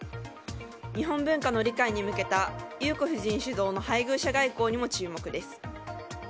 日本文化の理解に向けた裕子夫人主導の配偶者外交にも注目です。